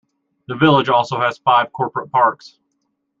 The village also has five corporate parks.